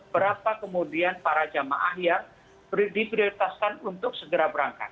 berapa kemudian para jamaah yang diprioritaskan untuk segera berangkat